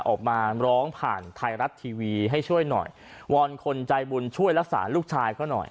ออกมาร้องผ่านไทยรัฐทีวีให้ช่วยหน่อยวอนคนใจบุญช่วยรักษาลูกชายเขาหน่อย